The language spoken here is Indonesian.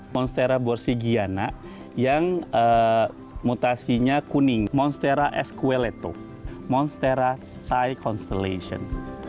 monstera borsigiana yang mutasinya kuning monstera esquelleto monstera thai constelation